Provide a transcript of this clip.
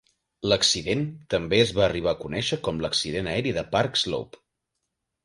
L'accident també es va arribar a conèixer com l'accident aeri de Park Slope.